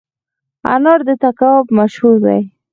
انار د تګاب مشهور دي